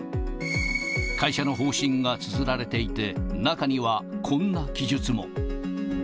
会社の方針がつづられていて、中にはこんな記述も。